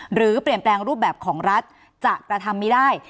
หรือเปลี่ยนแปลงรูปแบบของรัฐจากประธรรมนี้ได้